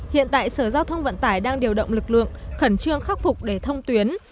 hiện tại sở giao thông vận tải đang điều động lực lượng khẩn trương khắc phục để thông tuyến